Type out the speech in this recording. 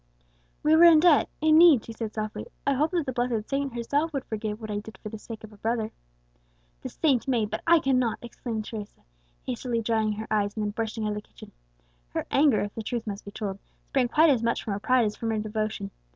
"We were in debt in need," she said softly; "I hope that the blessed saint herself would forgive what I did for the sake of a brother." "The saint may but I cannot!" exclaimed Teresa, hastily drying her eyes, and then bursting out of the kitchen. Her anger, if the truth must be told, sprang quite as much from her pride as from her devotion.